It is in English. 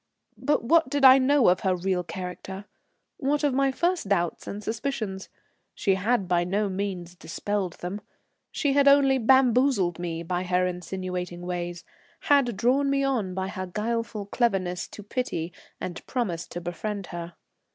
But what did I know of her real character? What of my first doubts and suspicions? She had by no means dispelled them. She had only bamboozled me by her insinuating ways, had drawn me on by her guileful cleverness to pity and promises to befriend her.